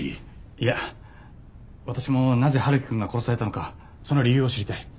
いや私もなぜ春樹くんが殺されたのかその理由を知りたい。